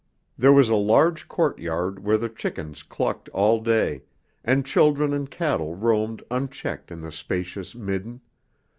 There was a large courtyard where the chickens clucked all day, and children and cattle roamed unchecked in the spacious midden.